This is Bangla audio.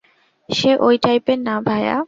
সে ওই টাইপের না, ভায়া।